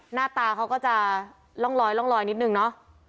หน้าตาเขาก็จะร่องลอยร่องลอยนิดนึงเนอะ